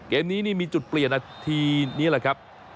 เกมนี้นี่มีจุดเปลี่ยนนาทีนี้แหละครับ